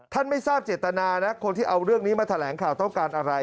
ไม่ทราบเจตนานะคนที่เอาเรื่องนี้มาแถลงข่าวต้องการอะไร